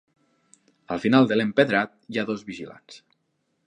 Al final de l'empedrat hi ha dos vigilants.